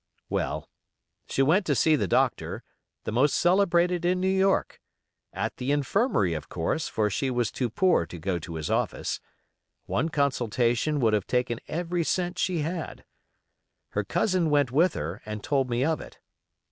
Well, she went to see the doctor, the most celebrated in New York—at the infirmary, of course, for she was too poor to go to his office; one consultation would have taken every cent she had—her cousin went with her, and told me of it.